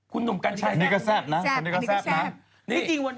คุณหนุ่มกันไชดีนี่ก็แซ่บนะจ้ะ